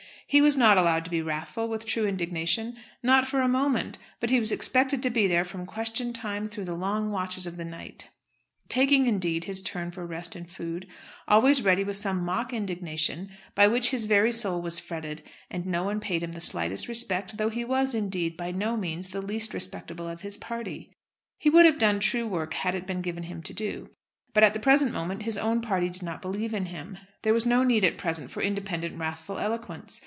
He was not allowed to be wrathful with true indignation, not for a moment; but he was expected to be there from question time through the long watches of the night taking, indeed, his turn for rest and food always ready with some mock indignation by which his very soul was fretted; and no one paid him the slightest respect, though he was, indeed, by no means the least respectable of his party. He would have done true work had it been given him to do. But at the present moment his own party did not believe in him. There was no need at present for independent wrathful eloquence.